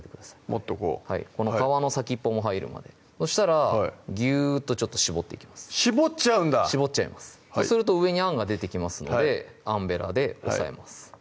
もっとこうこの皮の先っぽも入るまでそしたらギューッと絞っていきます絞っちゃうんだ絞っちゃいますそうすると上にあんが出てきますのであんべらで押さえます